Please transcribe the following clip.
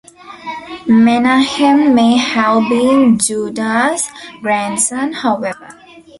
Menahem may have been Judas' grandson, however.